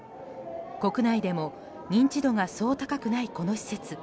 国内でも認知度がそう高くないこの施設。